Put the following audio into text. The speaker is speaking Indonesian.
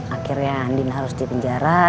akhirnya andin harus di penjara